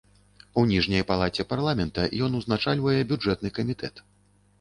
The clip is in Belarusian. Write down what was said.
У ніжняй палаце парламента ён узначальвае бюджэтны камітэт.